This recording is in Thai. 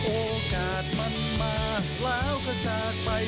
โอกาสมันมาแล้วก็จากไป